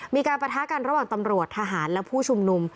มีการประทะกันระหว่างตำรวจทหารและผู้ชุมนุม